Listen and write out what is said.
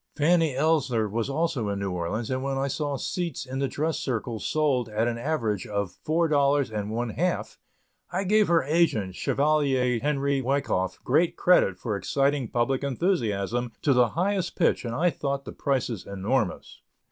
Fanny Ellsler was also in New Orleans, and when I saw seats in the dress circle sold at an average of four dollars and one half, I gave her agent, Chevalier Henry Wyckoff, great credit for exciting public enthusiasm to the highest pitch and I thought the prices enormous.